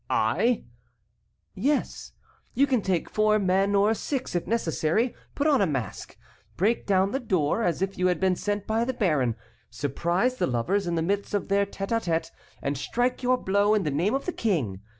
"I!" "Yes. You can take four men or six, if necessary, put on a mask, break down the door, as if you had been sent by the baron, surprise the lovers in the midst of their tête à tête, and strike your blow in the name of the King.